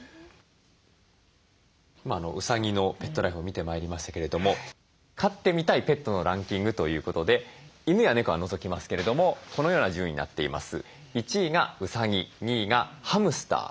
今うさぎのペットライフを見てまいりましたけれども飼ってみたいペットのランキングということで犬や猫は除きますけれどもこのような順位になっています。